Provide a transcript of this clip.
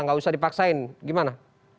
tidak usah dipaksain gimana